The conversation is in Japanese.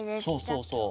そうそうそう。